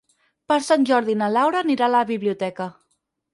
Per Sant Jordi na Laura anirà a la biblioteca.